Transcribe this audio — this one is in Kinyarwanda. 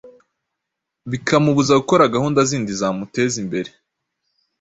bikamubuza gukora gahunda zindi zamuteza imbere,